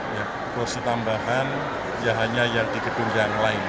ya kursi tambahan ya hanya yang di gedung yang lain